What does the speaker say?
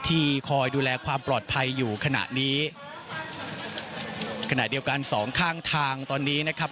ที่คอยดูแลความปลอดภัยอยู่ขณะนี้ขณะเดียวกันสองข้างทางตอนนี้นะครับ